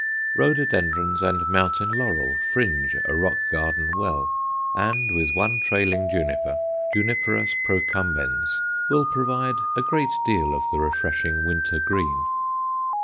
Rhododendrons and mountain laurel fringe a rock garden well, and with one trailing juniper (Juniperus procumbens) will provide a great deal of the refreshing winter green.